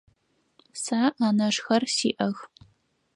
Сэ анэшхэр сиӏэх.